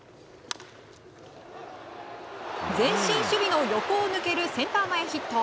前進守備の横を抜けるセンター前ヒット。